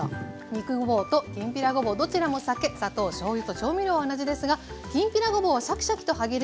肉ごぼうときんぴらごぼうどちらも酒砂糖しょうゆと調味料は同じですがきんぴらごぼうはシャキシャキと歯切れよく